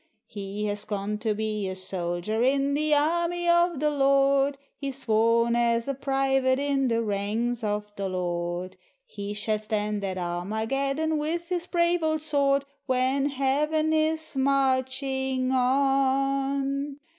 He has gone to be a soldier in the Army of the Lord, He is sworn as a / private in the ranks of the Lord â He shall stand at Armageddon with, his brave old sword, When. Heaven is marching on.